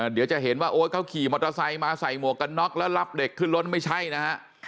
เดี๋ยวจะเห็นว่าโอ๊ตเขาขี่มอเตอร์ไซค์มาใส่หมวกกันน็อกแล้วรับเด็กขึ้นรถไม่ใช่นะฮะ